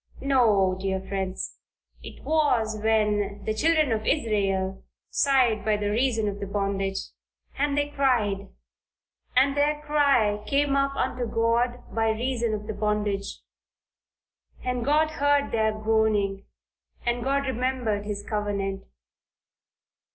No, dear friends, it was when "the children of Israel sighed by reason of the bondage, and they cried, and their cry came up unto God by reason of the bondage. And God heard their groaning and God remembered his covenant."